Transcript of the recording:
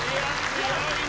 強いね。